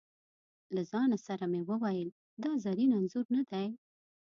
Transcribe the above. له ځانه سره مې وویل: دا زرین انځور نه دی.